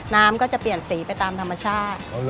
น้ำก็จะเปลี่ยนสีไปตามธรรมชาติ